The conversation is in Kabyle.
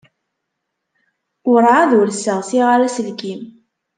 Werɛad ur sseɣsiɣ ara aselkim.